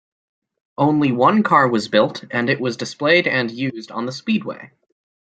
Only one car was built and it was displayed and used on the speedway.